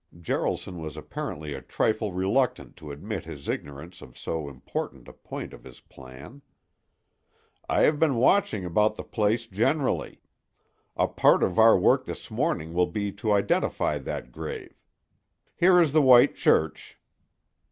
Jaralson was apparently a trifle reluctant to admit his ignorance of so important a point of his plan. "I have been watching about the place generally. A part of our work this morning will be to identify that grave. Here is the White Church."